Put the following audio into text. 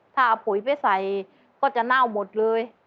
ถ้าเอาปุ๋ยไปใส่ก็จะเน่าหมดเลย